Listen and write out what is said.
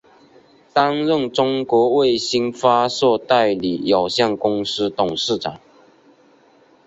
担任中国卫星发射代理有限公司董事长。